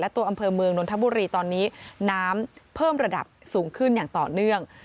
ตัวอำเภอเมืองนนทบุรีตอนนี้น้ำเพิ่มระดับสูงขึ้นอย่างต่อเนื่อง